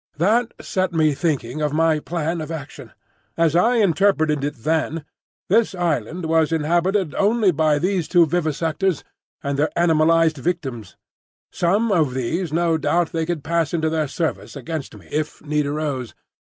That set me thinking of my plan of action. As I interpreted it then, this island was inhabited only by these two vivisectors and their animalised victims. Some of these no doubt they could press into their service against me if need arose.